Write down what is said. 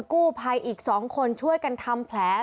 กู้ภัยอีก๒คนช่วยกันทำแผล